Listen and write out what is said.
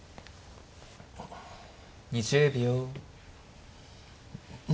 ２０秒。